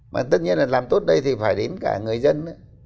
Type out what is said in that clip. mà tất nhiên là làm tốt đây thì phải đến cả người dân